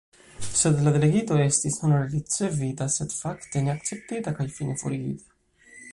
Sed la delegito estis honore ricevita sed, fakte, ne akceptita kaj fine forigita!